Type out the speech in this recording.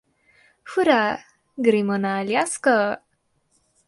Hura, gremo na Aljasko!